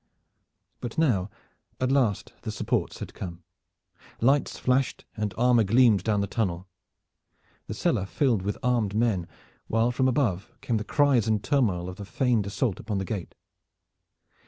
But now at last the supports had come. Lights flashed and armor gleamed down the tunnel. The cellar filled with armed men, while from above came the cries and turmoil of the feigned assault upon the gate.